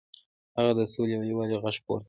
هغه د سولې او یووالي غږ پورته کړ.